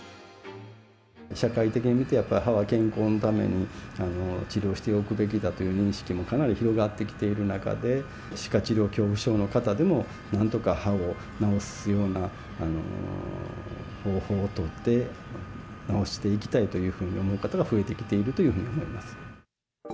社会的に見てやっぱり歯は健康のために治療しておくべきだという認識もかなり広がってきている中で、歯科治療恐怖症の方でも、なんとか歯を治すような方法を取って、治していきたいというふうに思う方が増えてきているというふうに思います。